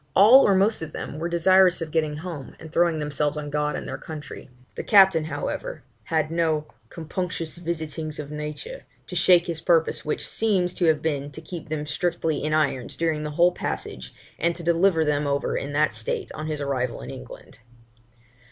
All or most of them were desirous of getting home, and throwing themselves on God and their country. The captain, however, had no 'compunctious visitings of nature' to shake his purpose, which seems to have been, to keep them strictly in irons during the whole passage, and to deliver them over in that state on his arrival in England.